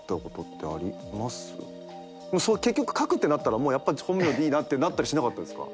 結局書くってなったらやっぱり本名でいいなってなったりしなかったですか？